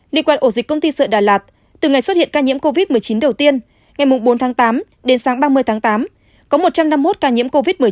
liên quan ổ dịch công ty sợi đà lạt từ ngày xuất hiện ca nhiễm covid một mươi chín đầu tiên ngày bốn tháng tám đến sáng ba mươi tháng tám có một trăm năm mươi một ca nhiễm covid một mươi chín